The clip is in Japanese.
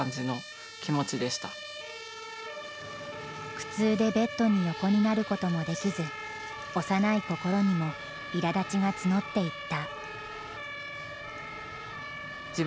苦痛でベッドに横になることもできず幼い心にもいらだちが募っていった。